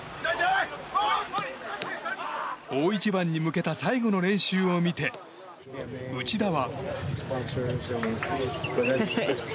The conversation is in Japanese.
大一番に向けた最後の練習を見て内田は。